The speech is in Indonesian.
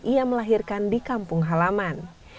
ia melahirkan di kampung halaman